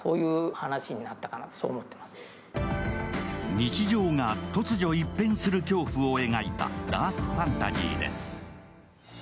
日常が突如一変する恐怖を描いたダークファンタジーです。